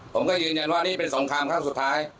ผมก็ยืนยันว่านี่เป็นสงครามครั้งสุดท้าย